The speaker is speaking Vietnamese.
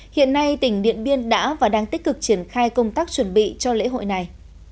hiện nay tỉnh điện biên đã và đang tích cực triển khai công tác chuẩn bị cho lễ hội này